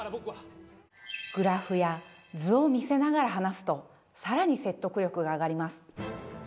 グラフや図を見せながら話すと更に説得力が上がります。